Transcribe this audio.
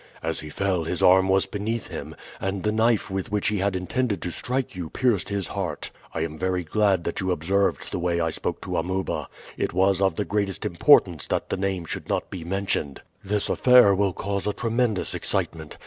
"As he fell his arm was beneath him, and the knife with which he had intended to strike you pierced his heart. I am very glad that you observed the way I spoke to Amuba. It was of the greatest importance that the name should not be mentioned. This affair will cause a tremendous excitement.